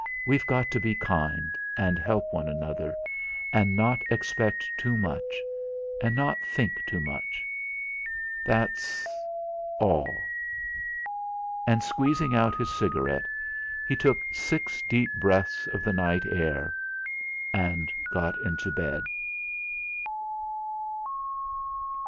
We've got to be kind, and help one another, and not expect too much, and not think too much. That's all!' And, squeezing out his cigarette, he took six deep breaths of the night air, and got into bed.